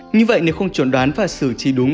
như vậy nếu không chuẩn đoán và xử trí đúng